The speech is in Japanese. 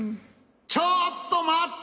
ちょっとまって！